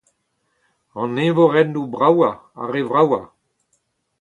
an eñvorennoù bravañ, ar re vravañ